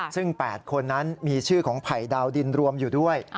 ซึ่ง๘คนนั้นมีชื่อของไผ่ดาวดินรวมอยู่ด้วย